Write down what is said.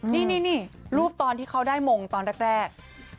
นี่รูปตอนที่เขาได้มงตอนแรก